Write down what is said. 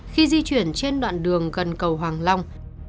khi di chuyển trên đoạn đường gần cầu hoàng long